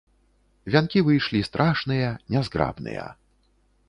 Вянкі выйшлі страшныя, нязграбныя.